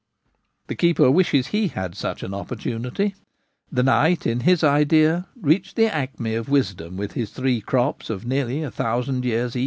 The keeper wishes he had such an opportunity. The knight, in his idea, reached the acme of wisdom with his three crops of nearly a thousand years each.